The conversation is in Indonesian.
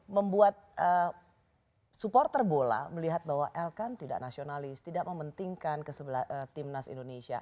membuat supporter bola melihat bahwa elkan tidak nasionalis tidak mementingkan timnas indonesia